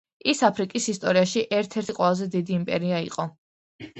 ის აფრიკის ისტორიაში ერთ-ერთი ყველაზე დიდი იმპერია იყო.